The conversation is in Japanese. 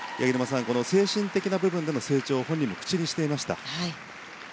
精神的な部分での成長を本人も口にしていました。